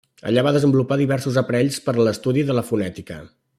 Allà va desenvolupar diversos aparells per a l'estudi de la fonètica.